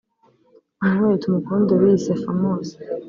Emmanuel Tumukunde wiyise Famous